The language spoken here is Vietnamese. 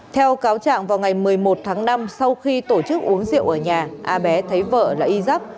theo cáo trạng vào ngày một mươi một tháng năm sau khi tổ chức uống rượu ở nhà a bé thấy vợ là y giáp